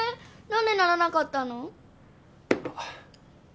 なんでならなかったの？